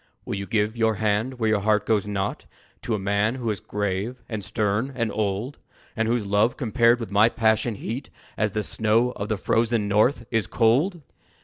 "Will you give your hand where your heart goes not To a man who is grave and stern and old; And whose love compared with my passion heat, As the snow of the frozen North, is cold?"